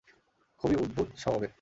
খুবই উদ্ভুত স্বভাবের!